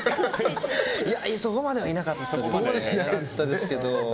そこまではいなかったですけど。